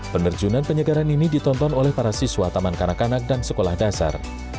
penerjunan penyegaran ini ditonton oleh para siswa taman kanak kanak dan sekolah dasar